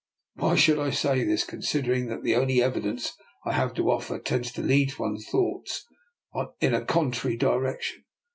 Why should I say this, consider ing that the only evidence I have to offer tends to lead one's thoughts in a contrary direction?